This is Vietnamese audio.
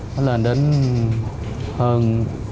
nó lên đến hơn